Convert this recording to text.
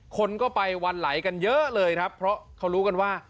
คนก็ไปวันไหลกันเยอะเลยครับเพราะเขารู้กันว่า